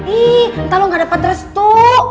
ih entah lo gak dapet restu